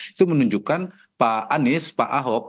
itu menunjukkan pak anies pak ahok